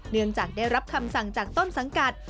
เนื่องจากได้รับคำสั่งจากต้นสังกัด